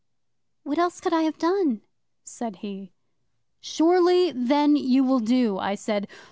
'"What else could I have done?" said he. '"Surely, then, you will do," I said.